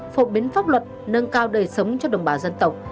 phổ biến pháp luật nâng cao đời sống cho đồng bào dân tộc